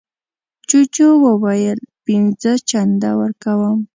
جوجو وویل پینځه چنده ورکوم.